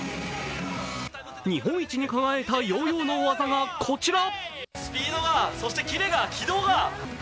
日本一に輝いたヨーヨーの技がこちら。